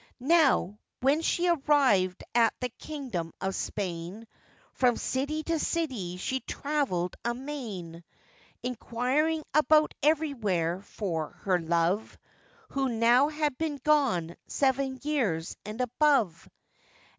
Now, when she arrived at the kingdom of Spain, From city to city she travelled amain, Enquiring about everywhere for her love, Who now had been gone seven years and above.